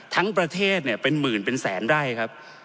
ทั้งประเทศเนี่ยเป็นหมื่นเป็นแสนไร่ครับ